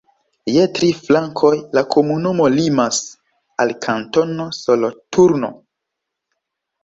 Je tri flankoj la komunumo limas al Kantono Soloturno.